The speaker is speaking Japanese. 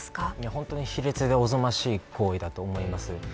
本当に卑劣でおぞましい行為だと思います。